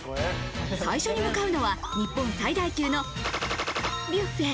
最初に向かうのは日本最大級のビュッフェ。